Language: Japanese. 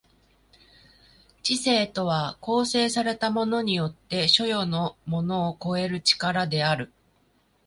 知性とは構成されたものによって所与のものを超える力である。